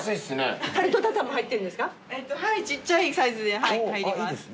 ちっちゃいサイズではい入ります。